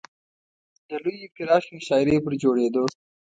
د لویې پراخې مشاعرې پر جوړېدو.